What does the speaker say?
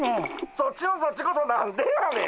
そっちのそっちこそ何でやねん。